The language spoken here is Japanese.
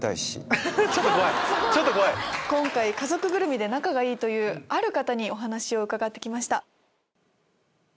今回家族ぐるみで仲がいいある方にお話を伺って来ました。